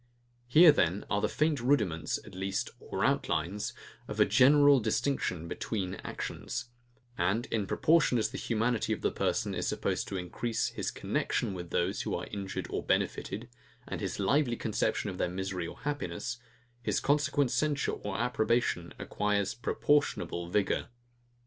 Here then are the faint rudiments, at least, or outlines, of a GENERAL distinction between actions; and in proportion as the humanity of the person is supposed to increase, his connexion with those who are injured or benefited, and his lively conception of their misery or happiness; his consequent censure or approbation acquires proportionable vigour.